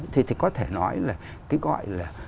thế thì có thể nói là cái gọi là